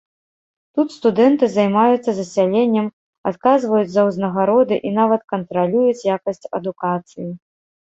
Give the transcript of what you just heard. Тут студэнты займаюцца засяленнем, адказваюць за ўзнагароды і нават кантралююць якасць адукацыі.